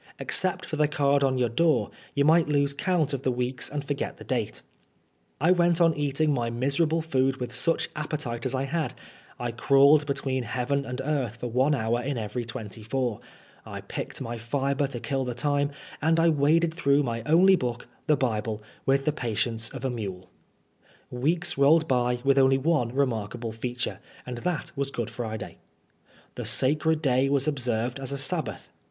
Except for the card on your door you might lose count of the weeks and forget the date* I went on eating my miserable food with such appetite as I had ; I crawled between heaven and earth for one hour in every twenty four ; I picked my fibre to kill the time ; and I waded through my only book, the Bible, with the patience of a mule. Weeks rolled by with only one remarkable feature, and that was Good Friday. The " sacred day " was observed as a Sabbath.